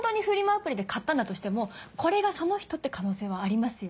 アプリで買ったんだとしてもこれがその人って可能性はありますよね。